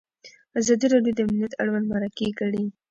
ازادي راډیو د امنیت اړوند مرکې کړي.